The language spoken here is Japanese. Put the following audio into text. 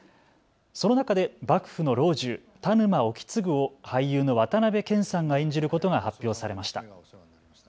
その中で幕府の老中、田沼意次を俳優の渡辺謙さんが演じることが発表されました。